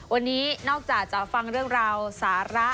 วันนี้นอกจากจะฟังเรื่องราวสาระ